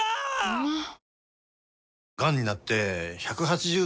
うまっ！！